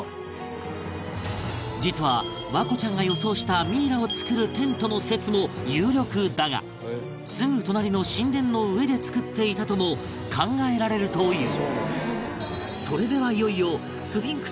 実は環子ちゃんが予想したミイラを作るテントの説も有力だがすぐ隣の神殿の上で作っていたとも考えられるという